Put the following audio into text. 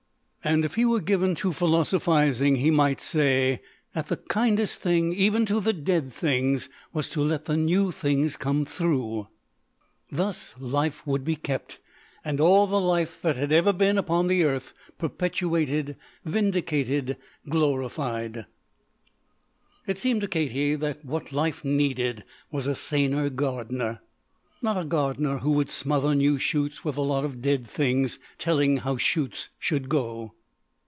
And if he were given to philosophizing he might say that the kindest thing even to the dead things was to let the new things come through. Thus life would be kept, and all the life that had ever been upon the earth perpetuated, vindicated, glorified. It seemed to Katie that what life needed was a saner gardener. Not a gardener who would smother new shoots with a lot of dead things telling how shoots should go.